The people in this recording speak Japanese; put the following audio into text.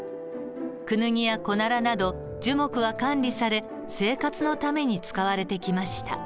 クヌギやコナラなど樹木は管理され生活のために使われてきました。